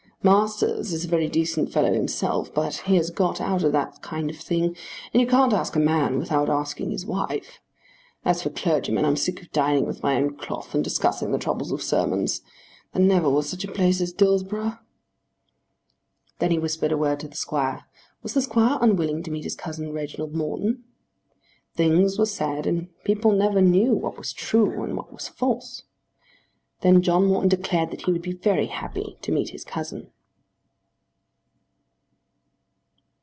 Masters is a very decent fellow himself, but he has got out of that kind of thing; and you can't ask a man without asking his wife. As for clergymen, I'm sick of dining with my own cloth and discussing the troubles of sermons. There never was such a place as Dillsborough." Then he whispered a word to the Squire. Was the Squire unwilling to meet his cousin Reginald Morton? Things were said and people never knew what was true and what was false. Then John Morton declared that he would be very happy to meet his cousin.